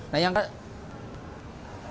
nah yang ketiga